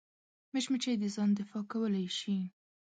مچمچۍ د ځان دفاع کولی شي